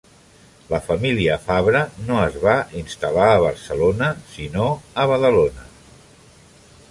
La família Fabra no es va instal·lar a Barcelona, sinó a Badalona.